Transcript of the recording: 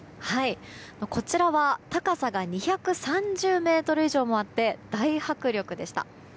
こちらは高さが２３０ｍ以上もあって大迫力でした。